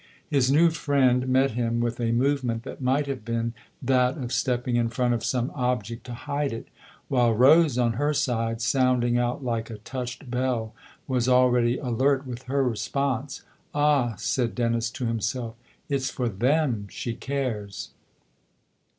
His new friend met him with a movement that might have been that THE OTHER HOUSE 75 of stepping in front of some object to hide it, while Rose, on her side, sounding out like a touched bell, was already alert with her response. "Ah," said Dennis, to himself, " it's for them she cares